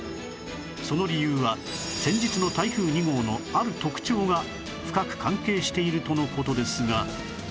その理由は先日の台風２号のある特徴が深く関係しているとの事ですが